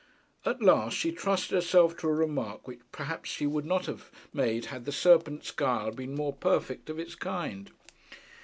At last she trusted herself to a remark which perhaps she would not have made had the serpent's guile been more perfect of its kind.